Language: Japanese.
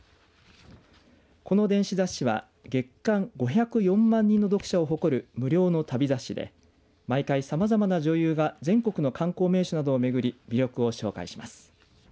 この電子雑誌は月間５０４万人の読者を誇る無料の旅雑誌で毎回さまざまな女優が全国の観光名所などを巡り魅力を紹介します。